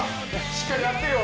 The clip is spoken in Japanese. しっかりやってるよ